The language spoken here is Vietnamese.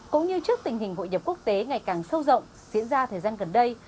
cũng như trước tình hình hội nhập quốc tế ngày càng sâu rộng diễn ra thời gian gần đây